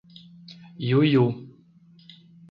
Iuiú